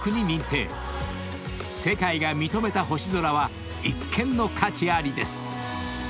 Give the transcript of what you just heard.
［世界が認めた星空は一見の価値ありです］